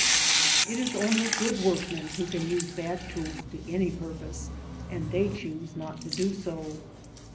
It is only good workmen who can use bad tools to any purpose, and they choose hot to do so.